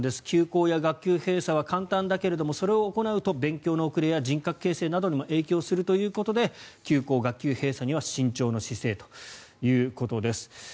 休校や学級閉鎖は簡単だけれども、それを行うと勉強の遅れや人格形成などにも影響するということで休校、学級閉鎖には慎重の姿勢ということです。